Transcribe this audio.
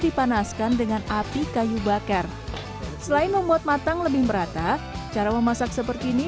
dipanaskan dengan api kayu bakar selain membuat matang lebih merata cara memasak seperti ini